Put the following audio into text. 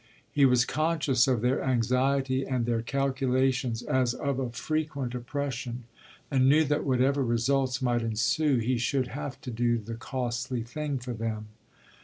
He was conscious of their anxiety and their calculations as of a frequent oppression, and knew that whatever results might ensue he should have to do the costly thing for them.